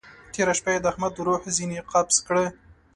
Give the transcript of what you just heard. تېره شپه يې د احمد روح ځينې قبض کړه.